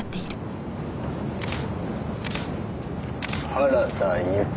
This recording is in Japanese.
原田由紀。